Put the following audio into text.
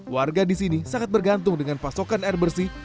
warga di sini sangat bergantung dengan pasokan air bersih